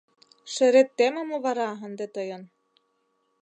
Шерет теме мо вара ынде тыйын?»